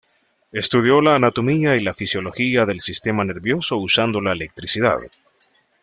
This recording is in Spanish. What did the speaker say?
Estudió la anatomía y fisiología del sistema nervioso usando la electricidad.